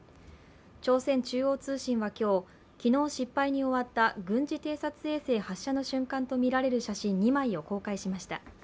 朝鮮中央通信は今日昨日失敗に終わった軍事偵察衛星発射の瞬間とみられる写真２枚を公開しました。